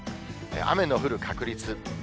雨の降る確率。